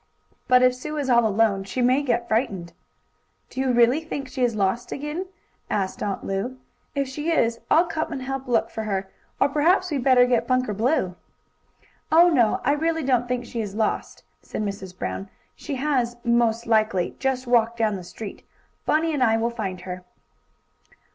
But if Sue is all alone she may get frightened." "Do you really think she is lost again?" asked Aunt Lu. "If she is I'll come and help look for her. Or, perhaps, we'd better get Bunker Blue." "Oh, no, I really don't think she is lost," said Mrs. Brown. "She has, most likely, just walked down the street. Bunny and I will find her."